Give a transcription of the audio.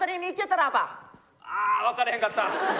ああ分からへんかった！